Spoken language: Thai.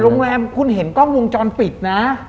โรงแรมคุณเห็นกล้องวงจรปิดนะ